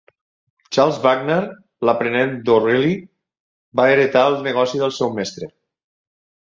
Charles Wagner, l'aprenent d'O'Reilly va heretà el negoci del seu mestre.